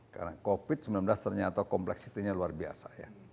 karena covid sembilan belas ternyata kompleksitinya luar biasa